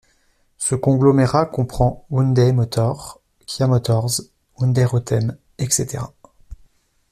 Ce conglomérat comprend Hyundai Motor, Kia Motors, Hyundai Rotem, etc.